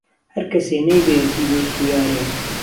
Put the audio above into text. ههر کهسێ نهیبێ دوو دۆست و یارێ